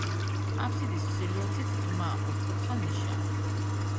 აბსიდის ჩრდილოეთით ღრმა, ოთხკუთხა ნიშაა.